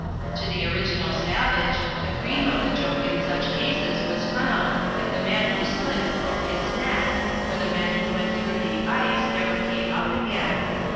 To the original savage, the cream of the joke in such cases was found if the man who slipped broke his neck, or the man who went through the ice never came up again.